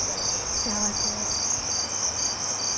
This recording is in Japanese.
幸せ。